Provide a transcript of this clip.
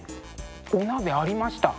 お鍋ありました。